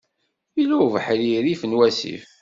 Yella ubeḥri rrif n wasif.